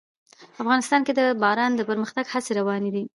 افغانستان کې د باران د پرمختګ هڅې روانې دي.